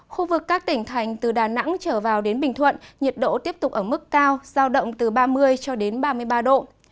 khu vực các tỉnh thành từ đà nẵng trở vào đến bình thuận nhiệt độ tiếp tục ở mức cao giao động từ ba mươi cho đến ba mươi ba độ